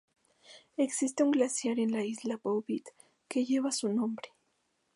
Existe un glaciar en la Isla Bouvet que lleva su nombre.